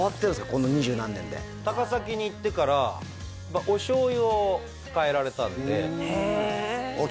この二十何年で高崎に行ってからお醤油を変えられたんでへえあっ